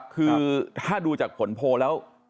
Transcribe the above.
คือถ้าดูจากผลโพลแล้ว